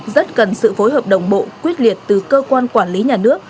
rất cần sự phối hợp đồng bộ quyết liệt từ cơ quan quản lý nhà nước